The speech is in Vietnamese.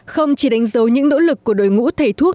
không chỉ đánh dấu những nỗ lực của đội ngũ thầy thuốc